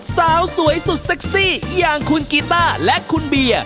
สาวสวยสุดเซ็กซี่อย่างคุณกีต้าและคุณเบียร์